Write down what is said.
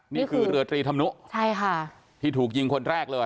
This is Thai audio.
นี่คือเหลือทรีย์ธรรมนุษย์ที่ถูกยิงคนแรกเลย